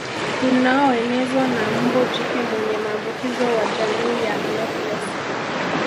Unaoenezwa na mbu jike mwenye maambukizo wa jamii ya anopheles